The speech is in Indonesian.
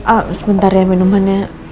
ah sebentar ya minumannya